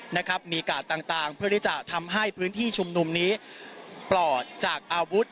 นะครับมีกาดต่างเพื่อที่จะทำให้พื้นที่ชุมนุมนี้ปลอดจากอาวุธ